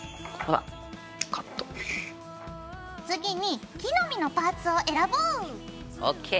次に木の実のパーツを選ぼう。ＯＫ。